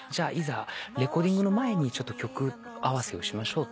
レコーディングの前に曲合わせをしましょうと。